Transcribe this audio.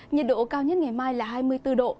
nhiệt độ cao nhất ngày mai là hai mươi bốn độ